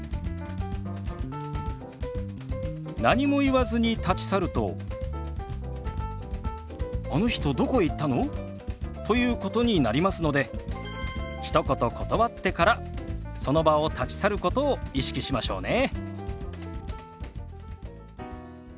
何も言わずに立ち去ると「あの人どこへ行ったの？」ということになりますのでひと言断ってからその場を立ち去ることを意識しましょうね。